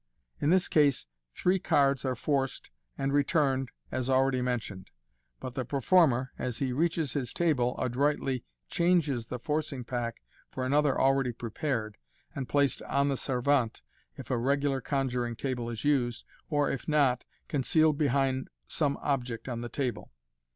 In this case three *ards are forced and returned as already mentioned} but the per former, as he reaches his table, adroitly exchanges the forcing pack tor another already prepared, and placed on the servante if a regular conjuring table is used, or, if not, concealed behind some object on the table.